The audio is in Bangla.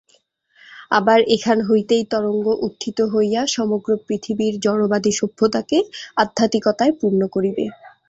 আবার এখান হইতেই তরঙ্গ উত্থিত হইয়া সমগ্র পৃথিবীর জড়বাদী সভ্যতাকে আধ্যাত্মিকতায় পূর্ণ করিবে।